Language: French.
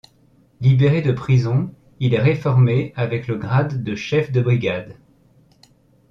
Libéré de prison, il est réformé avec le grade de chef de brigade.